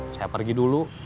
saya pergi dulu